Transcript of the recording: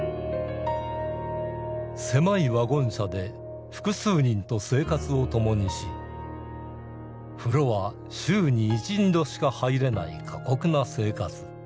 狭いワゴン車で複数人と生活を共にし風呂は週に１２度しか入れない過酷な生活。